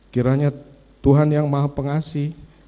kiranya tuhan yang maha pengasih